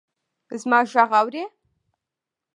زما ږغ اورې!